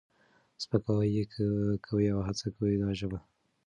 سپکاوی یې کوي او هڅه کوي دا ژبه